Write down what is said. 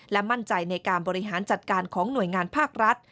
และมั่นใจในการบริหารจัดการของหน่วยงานภาครัฐ